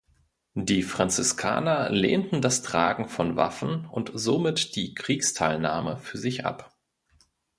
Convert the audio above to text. Die Franziskaner lehnten das Tragen von Waffen und somit die Kriegsteilnahme für sich ab.